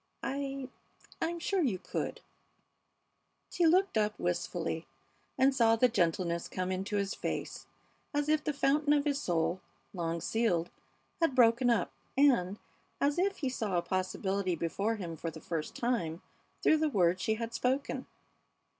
I I'm sure you could " She looked up wistfully and saw the gentleness come into his face as if the fountain of his soul, long sealed, had broken up, and as if he saw a possibility before him for the first time through the words she had spoken.